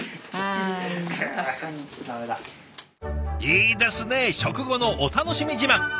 いいですね食後のお楽しみ自慢。